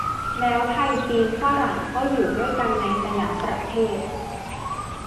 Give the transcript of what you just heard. แล้วไทย จีน ฝรั่ง ก็อยู่ด้วยกันในสยามประเทศ